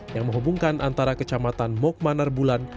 yang menghubungkan antara kecamatan mok manar bulan